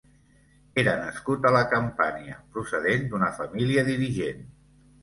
Era nascut a la Campània, procedent d'una família dirigent.